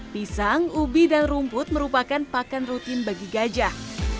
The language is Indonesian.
pisang ubi dan rumput merupakan pakan rutin bagi gajah